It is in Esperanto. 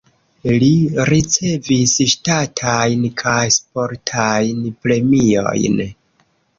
Li ricevis ŝtatajn kaj sportajn premiojn.